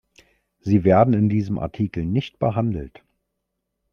Sie werden in diesem Artikel nicht behandelt.